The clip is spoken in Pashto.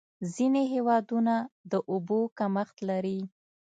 ځینې هېوادونه د اوبو کمښت لري.